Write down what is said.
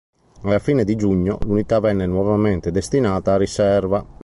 Alla fine di giugno l'unità venne nuovamente destinata a riserva.